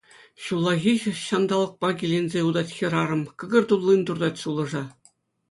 Ҫуллахи ҫанталӑкпа киленсе утать хӗрарӑм, кӑкӑр туллин туртать сывлӑша.